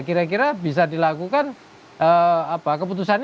kira kira bisa dilakukan keputusan